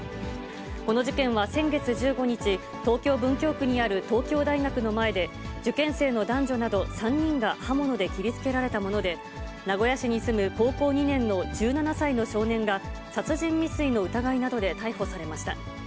この事件は先月１５日、東京・文京区にある東京大学の前で、受験生の男女など、３人が刃物で切りつけられたもので、名古屋市に住む高校２年の１７歳の少年が、殺人未遂の疑いなどで逮捕されました。